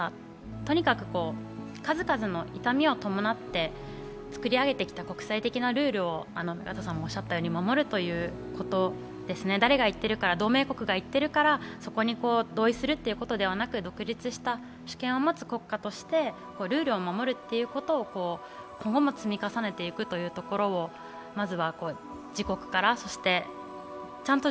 とにかく数々の痛みを伴って作り上げてきた国際的なルールを守るということですね、誰が言っている、同盟国が言ってるからそこに同意するというのではなく独立した主権を持つ国家としてルールを守るっていうことをもう手放せないなーっていうような感じはすごくしてます